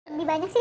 lebih banyak sih